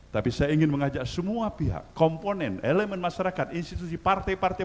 tapi saya ingin mengajak semua pihak komponen elemen masyarakat institusi partai partai